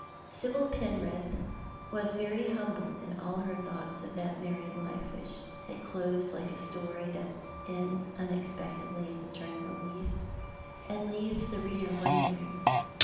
Sibyl Penrith was very humble in all her thoughts of that married life which had closed like a story that ends unex pectedly at the turn of a leaf, and leaves the reader wondering.